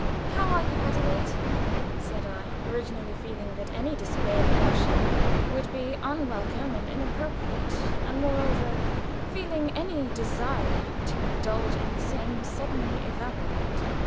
"How are you, Adelaide?" said I, originally, feeling that any display of emotion would be unwelcome and inappropriate, and moreover, feeling any desire to indulge in the same suddenly evaporate.